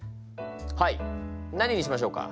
はい何にしましょうか？